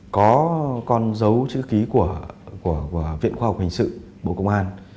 nó còn giấu chữ ký của viện khoa học hình sự bộ công an